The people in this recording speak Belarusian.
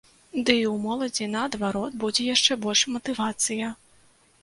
Ды і ў моладзі, наадварот, будзе яшчэ больш матывацыя.